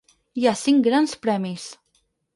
Hi ha cinc grans premis.